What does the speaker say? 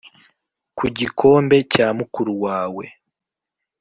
Ku gikombe cya mukuru wawe